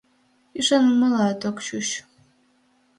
— Ӱшанымылат ок чуч...